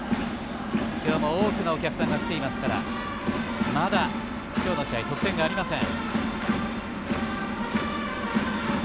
今日も多くのお客さんが来ていますからまだ、今日の試合得点がありません。